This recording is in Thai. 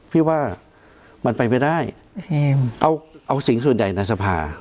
พี่ว่ามันไปไม่ได้เอาสิ่งส่วนใหญ่ในสภา